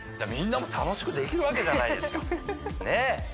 みんなも楽しくできるわけじゃないですかねえ